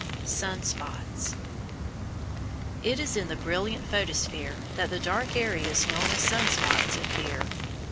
Sun spots It is in the brilliant photosphere that the dark areas known as sun spots appear.